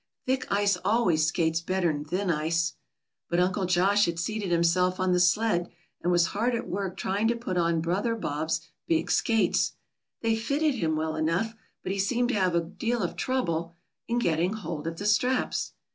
Thick ice always skates better'n thin ice." But Uncle Josh had seated himself on the sled, and was hard at work trying to put on Brother Bob's big skates. They fitted him well enough, but he seemed to have a deal of trouble in getting hold of the straps.